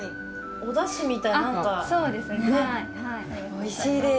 おいしいです。